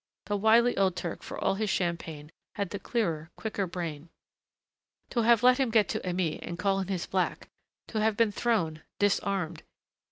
The wily old Turk for all his champagne had the clearer, quicker brain.... To have let him get to Aimée and call in his black! To have been thrown, disarmed....